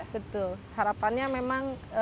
betul harapannya memang